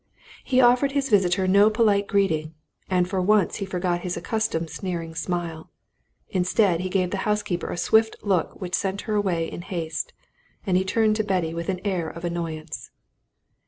He offered his visitor no polite greeting, and for once he forgot his accustomed sneering smile. Instead, he gave the housekeeper a swift look which sent her away in haste, and he turned to Betty with an air of annoyance.